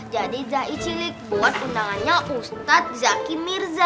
jadi zai cilik buat undangannya ustadz zakim mirza